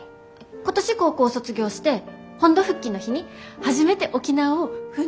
今年高校を卒業して本土復帰の日に初めて沖縄を船で出ました。